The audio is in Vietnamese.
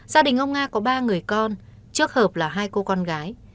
gia đình ông nga có ba người con trước hợp là hai cô con gái